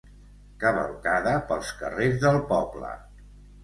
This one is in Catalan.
Cavalcada pels carrers del poble.